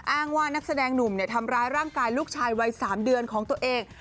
อ้างว่านักแสดงหนุ่มทำร้ายร่างกายลูกชายวัย๓เดือนของตัวเอง